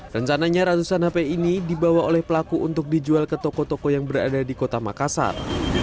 rencananya ratusan hp ini dibawa oleh pelaku untuk dijual ke toko toko yang berada di kota makassar